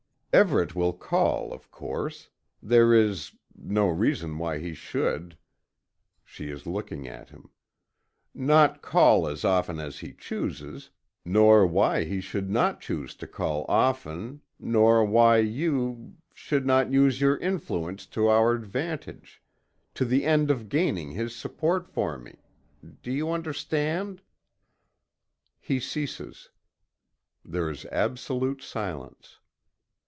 Everet will call, of course. There is no reason why he should " she is looking at him "not call as often as he chooses, nor why he should not choose to call often nor why you should not use your influence to our advantage to the end of gaining his support for me. Do you understand?" He ceases. There is absolute silence.